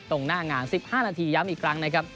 ตรงหน้างาน๑๕นาทีย้ำอีกครั้งนะครับ